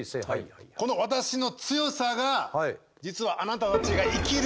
この私の強さが実はあなたたちが生きる